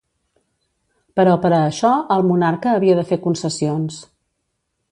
Però per a això el monarca havia de fer concessions.